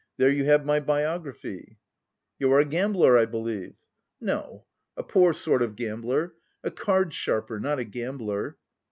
There you have my biography!" "You are a gambler, I believe?" "No, a poor sort of gambler. A card sharper not a gambler."